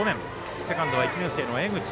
セカンドは１年生の江口。